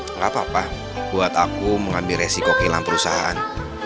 nggak apa apa buat aku mengambil resiko kehilangan perusahaan